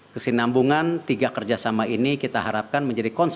kesinambungan tiga kerjasama ini kita harapkan menjadi concern